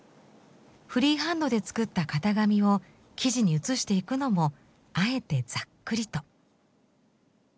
フリーハンドで作った型紙を生地に写していくのもあえてざっくりと。